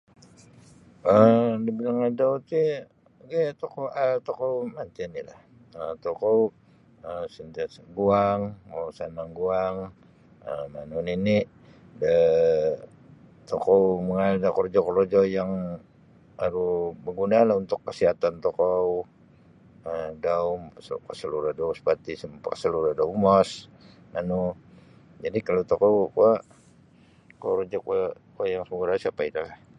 um Da bilang adau ti nu gaya tokou um manti oni lah um tokou um guang santiasa sanang guang um manu nini da tokou mangaal da korojo-korojo yang aru baguna lah untuk kesihatan tokou um [unintelligible] mapasalura da umos manu jadi kalau tokou kuo. [unintelligible]